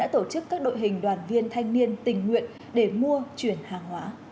tổ chức các đội hình đoàn viên thanh niên tình nguyện để mua chuyển hàng hóa